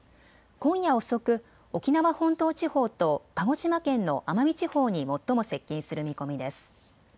今夜遅く沖縄本島地方と鹿児島県の奄美地方に最も接近する見込みです。